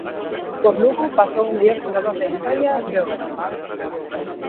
Por Lugo pasou o mellor xogador da historia breoganista.